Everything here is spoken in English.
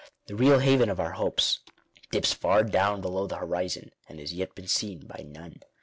The real haven of our hopes dips far down below the horizon and has yet been seen by none.